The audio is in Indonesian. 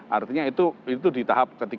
artinya itu di tahap ketiga